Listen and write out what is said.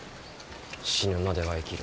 死ぬまでは生きる。